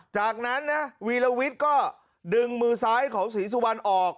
จากนั้นนะวีรวิทย์ก็ดึงมือซ้ายของศรีสุวรรณออก